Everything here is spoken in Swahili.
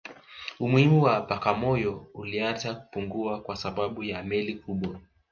Umuhimu wa Bagamoyo ulianza kupungua kwa sababu ya meli kubwa